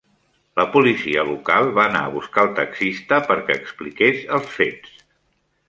La policia local va anar a buscar el taxista perquè expliqués els fets.